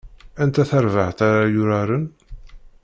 Anta tarbaɛt ara yuraren?